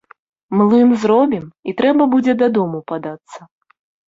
Млын зробім, і трэба будзе дадому падацца.